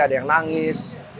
ada yang nangis